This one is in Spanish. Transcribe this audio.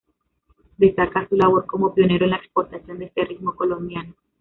Destaca su labor como pionero en la exportación de este ritmo colombiano.